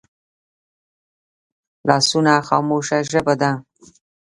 لاسونه خاموشه ژبه ده